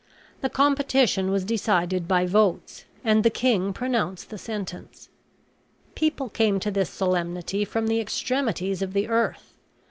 The competition was decided by votes; and the king pronounced the sentence. People came to this solemnity from the extremities of the earth.